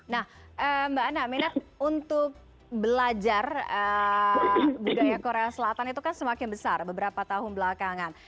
nah mbak anna minat untuk belajar budaya korea selatan itu kan semakin besar beberapa tahun belakangan